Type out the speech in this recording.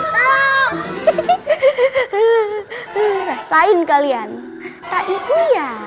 hehehe rasain kalian tak ini ya